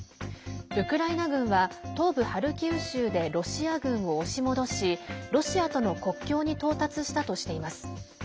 ウクライナ軍は東部ハルキウ州でロシア軍を押し戻しロシアとの国境に到達したとしています。